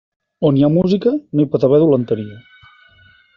On hi ha música, no hi pot haver dolenteria.